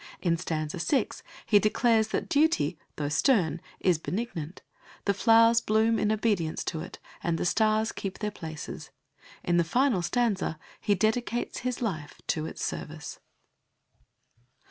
In stanza 6 he declares that duty, though stern, is benignant; the flowers bloom in obedience to it, and the stars keep their places. In the final stanza he dedicates his life to its service.